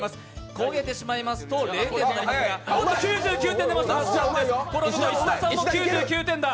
焦げてしまいますと０点となりますが、おっと９９点出ました、那須さん、石田さんも９９点だ。